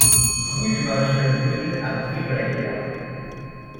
Rue du Maréchal Brune à Brive-la-Gaillarde